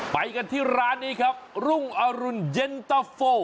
ไปกันที่ร้านนี้ครับรุ่งอรุณเย็นตะโฟ